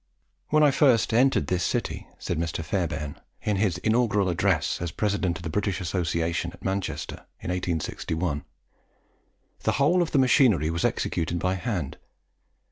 "When I first entered this city," said Mr. Fairbairn, in his inaugural address as President of the British Association at Manchester in 1861, "the whole of the machinery was executed by hand.